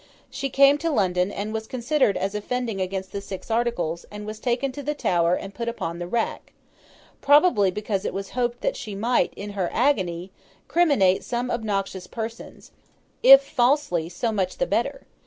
She came to London, and was considered as offending against the six articles, and was taken to the Tower, and put upon the rack—probably because it was hoped that she might, in her agony, criminate some obnoxious persons; if falsely, so much the better.